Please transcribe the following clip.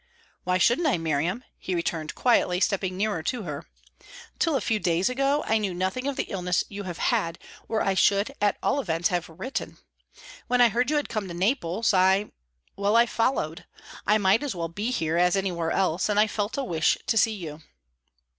"Why shouldn't I, Miriam?" he returned quietly, stepping nearer to her. "Till a few days ago I knew nothing of the illness you have had, or I should, at all events, have written. When I heard you had come to Naples, I well, I followed. I might as well be here as anywhere else, and I felt a wish to see you."